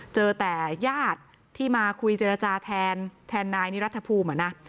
เจอแต่ญาติที่มาคุยเจรจาแทนนายนิรัฐภูมิอ่ะนะ